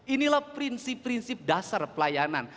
inilah prinsip prinsip dasar pelayanan